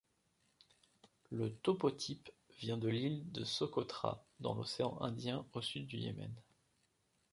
Le topotype vient de l'île de Socotra, dans l'océan Indien, au Sud du Yémen.